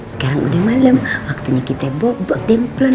sekarang udah malem waktunya kita bobok dimplen